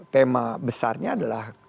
tema besarnya adalah keberlanjutan